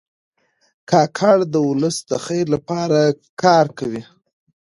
کاکړ د ولس د خیر لپاره کار کوي.